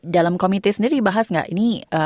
dalam komite sendiri dibahas nggak ini